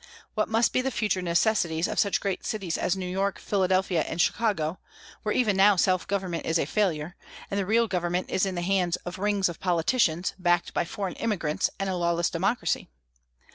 What must be the future necessities of such great cities as New York, Philadelphia, and Chicago, where even now self government is a failure, and the real government is in the hands of rings of politicians, backed by foreign immigrants and a lawless democracy?